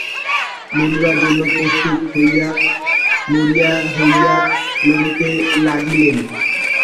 মরিবার জন্য প্রস্তুত হইয়া মরিয়া হইয়া লড়িতে লাগিলেন।